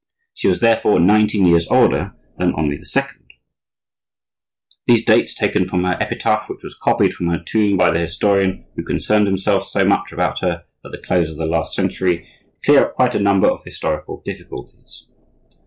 She was therefore nineteen years older than Henri II. These dates, taken from her epitaph which was copied from her tomb by the historian who concerned himself so much about her at the close of the last century, clear up quite a number of historical difficulties.